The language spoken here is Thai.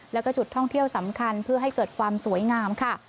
แล้วก็จุดท่องเที่ยวสำคัญเพื่อให้เกิดความสวยงามค่ะ